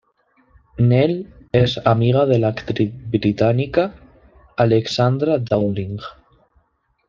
Nell es amiga de la actriz británica Alexandra Dowling.